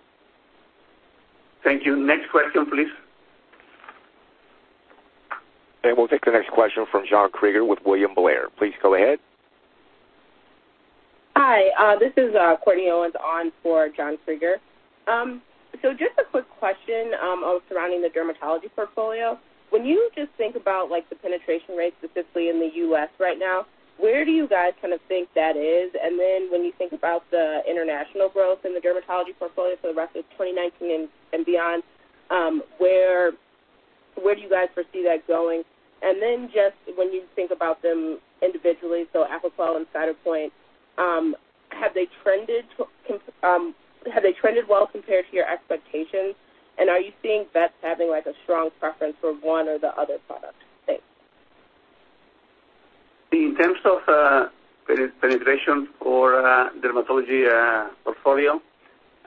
Thank you. Next question, please.
We'll take the next question from John Kreger with William Blair. Please go ahead.
Hi, this is Courtney Owens on for John Kreger. Just a quick question surrounding the dermatology portfolio. When you just think about the penetration rates specifically in the U.S. right now, where do you guys think that is? When you think about the international growth in the dermatology portfolio for the rest of 2019 and beyond, where do you guys foresee that going? Just when you think about them individually, so Apoquel and Cytopoint, have they trended well compared to your expectations? Are you seeing vets having a strong preference for one or the other product? Thanks.
In terms of penetration for dermatology portfolio,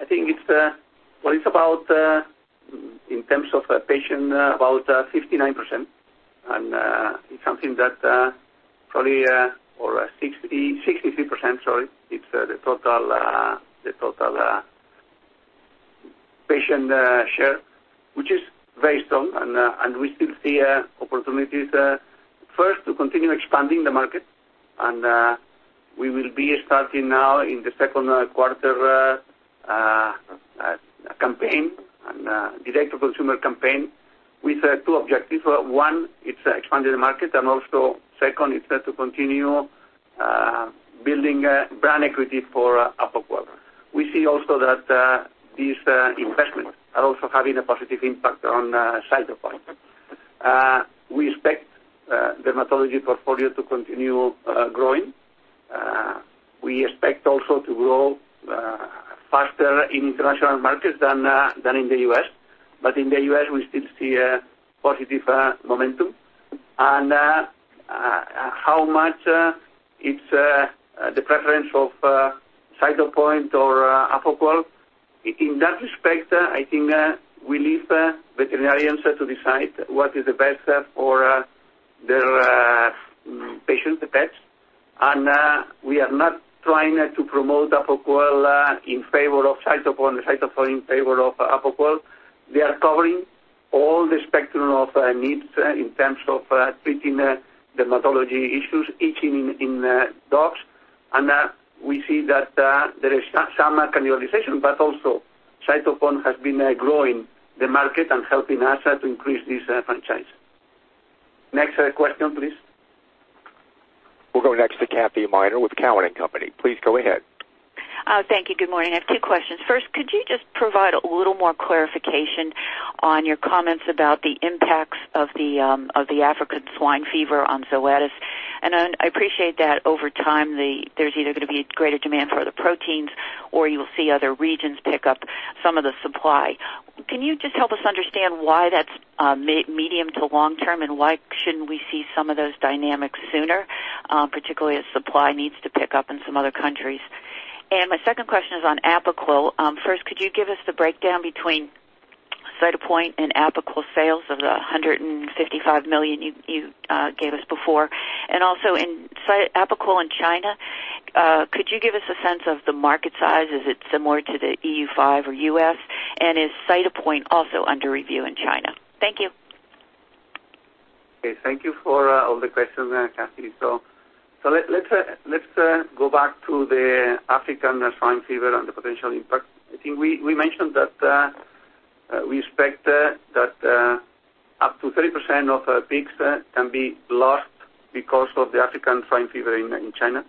I think it's about, in terms of patient, about 59%. It's something that 63%, sorry, it's the total patient share, which is very strong, and we still see opportunities, first, to continue expanding the market. We will be starting now in the second quarter, a campaign, a direct-to-consumer campaign with two objectives. One, it's expanding the market, and also second, it's to continue building brand equity for Apoquel. We see also that these investments are also having a positive impact on Cytopoint. We expect dermatology portfolio to continue growing. We expect also to grow faster in international markets than in the U.S. In the U.S., we still see a positive momentum. How much it's the preference of Cytopoint or Apoquel? In that respect, I think we leave veterinarians to decide what is the best for their patients, the pets. We are not trying to promote Apoquel in favor of Cytopoint or Cytopoint in favor of Apoquel. They are covering all the spectrum of needs in terms of treating dermatology issues, itching in dogs. We see that there is some cannibalization. Also Cytopoint has been growing the market and helping us to increase this franchise. Next question, please.
We'll go next to Cathy Miner with Cowen and Company. Please go ahead.
Thank you. Good morning. I have two questions. First, could you just provide a little more clarification on your comments about the impacts of the African swine fever on Zoetis? I appreciate that over time, there's either going to be greater demand for other proteins or you'll see other regions pick up some of the supply. Can you just help us understand why that's medium to long-term and why shouldn't we see some of those dynamics sooner, particularly as supply needs to pick up in some other countries? My second question is on Apoquel. First, could you give us the breakdown between Cytopoint and Apoquel sales of the $155 million you gave us before? Also Apoquel in China, could you give us a sense of the market size? Is it similar to the EU5 or U.S.? Is Cytopoint also under review in China? Thank you.
Okay. Thank you for all the questions, Cathy. Let's go back to the African swine fever and the potential impact. I think we mentioned that we expect that up to 30% of pigs can be lost because of the African swine fever in China.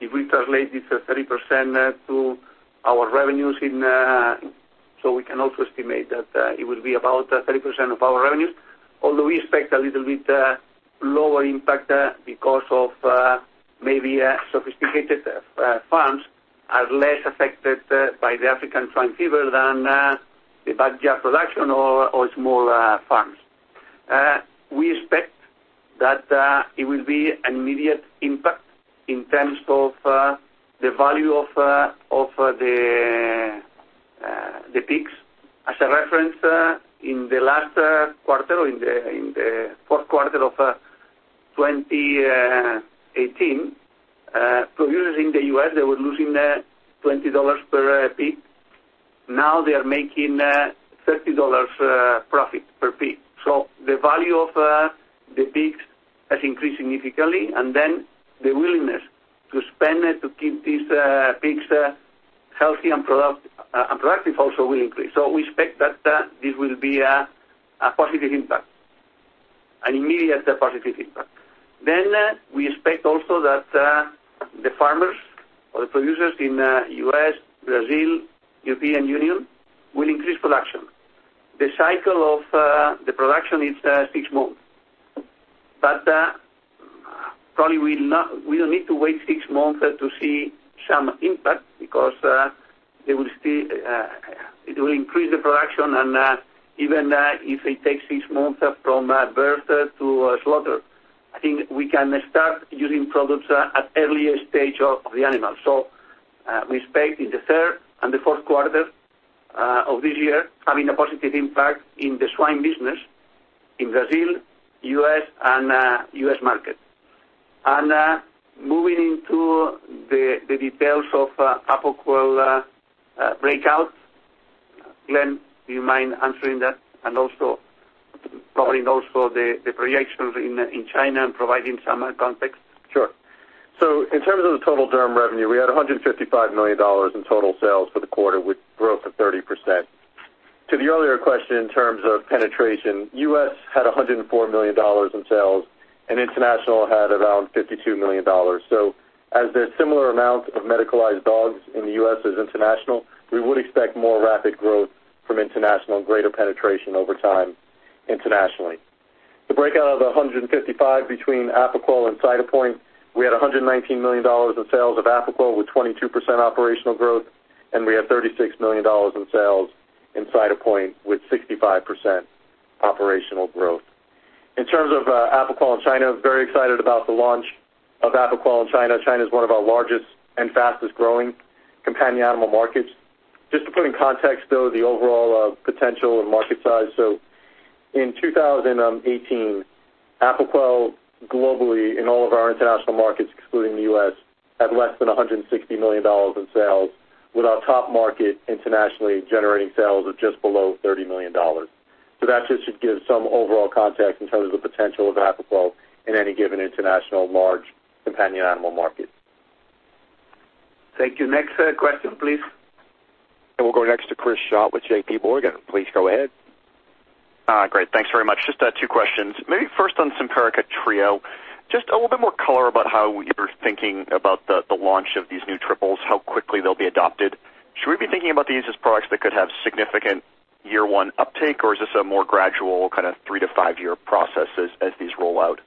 If we translate this 30% to our revenues, we can also estimate that it will be about 30% of our revenues, although we expect a little bit lower impact because of maybe sophisticated farms are less affected by the African swine fever than the backyard production or small farms. We expect that it will be an immediate impact in terms of the value of the pigs. As a reference, in the last quarter, in the fourth quarter of 2018, producers in the U.S., they were losing $20 per pig. Now they are making $30 profit per pig. The value of the pigs has increased significantly, the willingness to spend to keep these pigs healthy and productive also will increase. We expect that this will be a positive impact, an immediate positive impact. We expect also that the farmers or the producers in U.S., Brazil, European Union, will increase production. The cycle of the production is six months. Probably we don't need to wait six months to see some impact because it will increase the production, and even if it takes six months from birth to slaughter, I think we can start using products at earlier stage of the animal. We expect in the third and the fourth quarter of this year, having a positive impact in the swine business in Brazil, U.S., and U.S. market. Moving into the details of Apoquel breakout. Glenn, do you mind answering that and also probably also the variations in China and providing some context?
Sure. In terms of the total derm revenue, we had $155 million in total sales for the quarter with growth of 30%. To the earlier question, in terms of penetration, U.S. had $104 million in sales and international had around $52 million. As there's similar amounts of medicalized dogs in the U.S. as international, we would expect more rapid growth from international and greater penetration over time internationally. The breakout of the $155 million between Apoquel and Cytopoint, we had $119 million in sales of Apoquel with 22% operational growth, and we had $36 million in sales in Cytopoint with 65% operational growth. In terms of Apoquel in China, very excited about the launch of Apoquel in China. China is one of our largest and fastest-growing companion animal markets. Just to put in context, though, the overall potential and market size. In 2018, Apoquel globally in all of our international markets, excluding the U.S., had less than $160 million in sales, with our top market internationally generating sales of just below $30 million. That just should give some overall context in terms of the potential of Apoquel in any given international large companion animal market.
Thank you. Next question, please.
We'll go next to Chris Schott with J.P. Morgan. Please go ahead.
Great. Thanks very much. Just two questions. Maybe first on Simparica Trio, just a little bit more color about how you're thinking about the launch of these new triples, how quickly they'll be adopted. Should we be thinking about these as products that could have significant year one uptake, or is this a more gradual, kind of 3-5 year process as these roll out?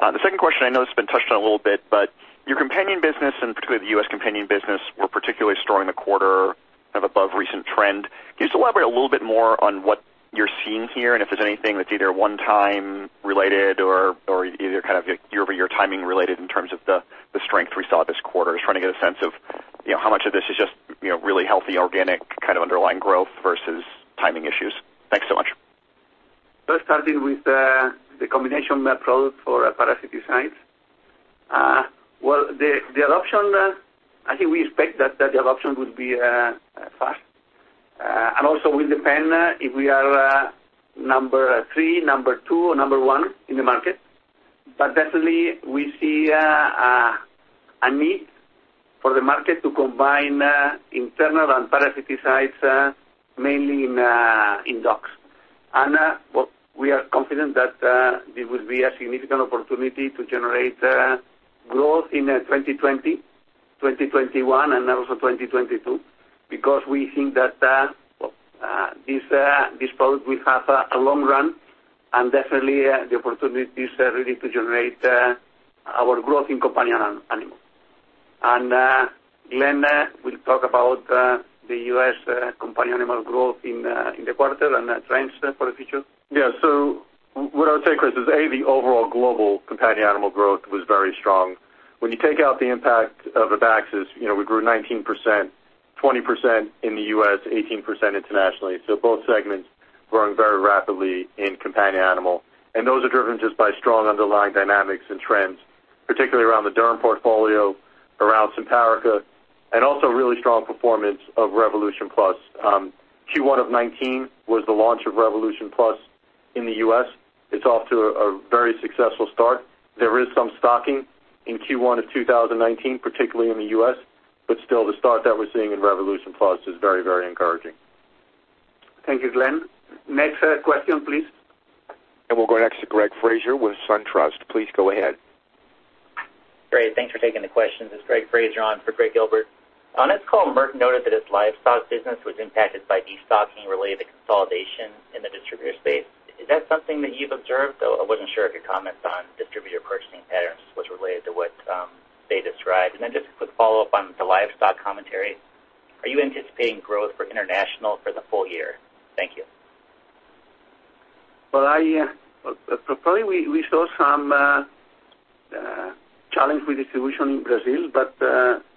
The second question, I know this has been touched on a little bit, but your companion business, and particularly the U.S. companion business, were particularly strong in the quarter of above recent trend. Can you just elaborate a little bit more on what you're seeing here and if there's anything that's either one-time related or either kind of year-over-year timing related in terms of the strength we saw this quarter? Just trying to get a sense of how much of this is just really healthy, organic, kind of underlying growth versus timing issues. Thanks so much.
Starting with the combination product for parasiticides. Well, I think we expect that the adoption will be, also will depend if we are number three, number two, or number one in the market. Definitely we see a need for the market to combine internal and parasiticides, mainly in dogs. We are confident that there will be a significant opportunity to generate growth in 2020, 2021, and also 2022, because we think that this product will have a long run and definitely the opportunity is really to generate our growth in companion animal. Glenn will talk about the U.S. companion animal growth in the quarter and trends for the future.
Yeah. What I would say, Chris, is, A, the overall global companion animal growth was very strong. When you take out the impact of Abaxis, we grew 19%, 20% in the U.S., 18% internationally. Both segments growing very rapidly in companion animal. Those are driven just by strong underlying dynamics and trends, particularly around the derm portfolio, around Simparica, and also really strong performance of Revolution Plus. Q1 of 2019 was the launch of Revolution Plus in the U.S. It's off to a very successful start. There is some stocking in Q1 of 2019, particularly in the U.S. Still, the start that we're seeing in Revolution Plus is very encouraging.
Thank you, Glenn. Next question, please.
We'll go next to Greg Fraser with SunTrust. Please go ahead.
Great. Thanks for taking the question. This is Greg Fraser on for Craig Gilbert. On its call, Merck noted that its livestock business was impacted by destocking related to consolidation in the distributor space. Is that something that you've observed, though? I wasn't sure if your comments on distributor purchasing patterns was related to what they described. Then just a quick follow-up on the livestock commentary. Are you anticipating growth for international for the full year? Thank you.
Probably we saw some challenge with distribution in Brazil, but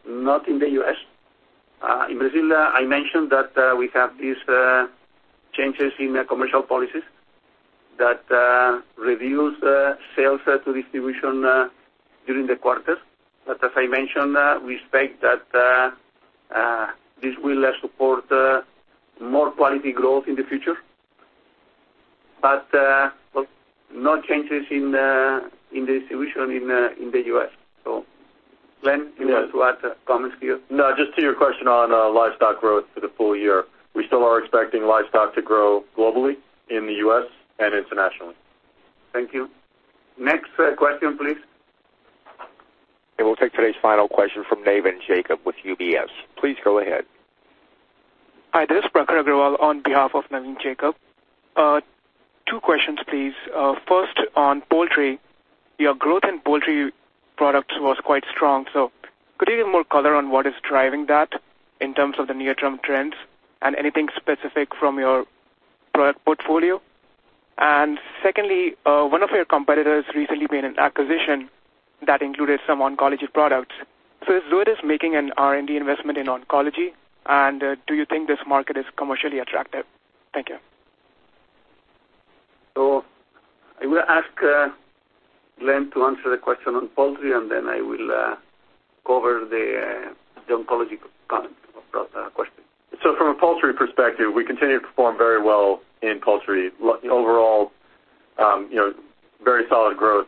not in the U.S. In Brazil, I mentioned that we have these changes in commercial policies that reduced sales to distribution during the quarter. As I mentioned, we expect that this will support more quality growth in the future. No changes in the distribution in the U.S. Glenn, you want to add comments here?
No, just to your question on livestock growth for the full year. We still are expecting livestock to grow globally in the U.S. and internationally.
Thank you. Next question, please.
We'll take today's final question from Navin Jacob with UBS. Please go ahead.
Hi, this is Prakhar Agrawal on behalf of Navin Jacob. Two questions, please. First, on poultry. Your growth in poultry products was quite strong. Could you give more color on what is driving that in terms of the near-term trends and anything specific from your product portfolio? Secondly, one of your competitors recently made an acquisition that included some oncology products. Is Zoetis making an R&D investment in oncology, and do you think this market is commercially attractive? Thank you.
I will ask Glenn to answer the question on poultry, and then I will cover the oncology comment about that question.
From a poultry perspective, we continue to perform very well in poultry. Overall very solid growth,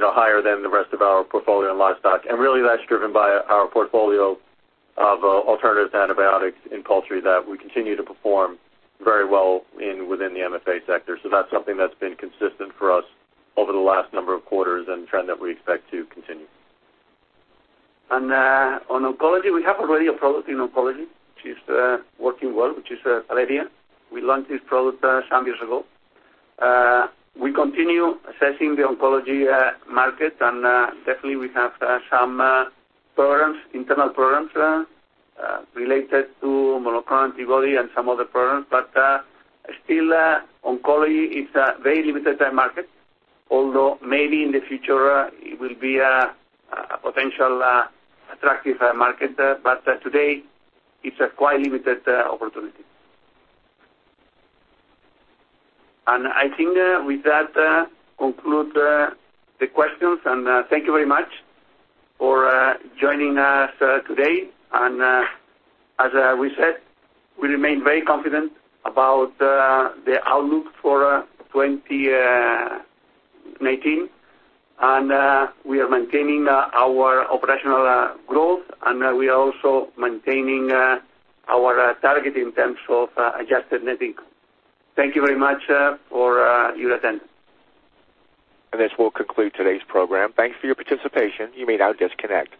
higher than the rest of our portfolio in livestock. Really that's driven by our portfolio of alternative antibiotics in poultry that we continue to perform very well in within the MFA sector. That's something that's been consistent for us over the last number of quarters and trend that we expect to continue.
On oncology, we have already a product in oncology, which is working well, which is Palladia. We launched this product some years ago. We continue assessing the oncology market, and definitely we have some internal programs related to monoclonal antibody and some other programs. Still, oncology is a very limited market, although maybe in the future it will be a potential attractive market. Today it's a quite limited opportunity. I think with that conclude the questions. Thank you very much for joining us today. As we said, we remain very confident about the outlook for 2019, and we are maintaining our operational growth, and we are also maintaining our target in terms of adjusted net income. Thank you very much for your attendance.
This will conclude today's program. Thank you for your participation. You may now disconnect.